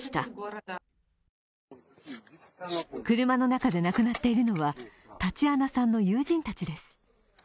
車の中で亡くなっているのは、タチアナさんの友人たちです。